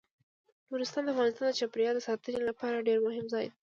نورستان د افغانستان د چاپیریال ساتنې لپاره ډیر مهم ځای دی.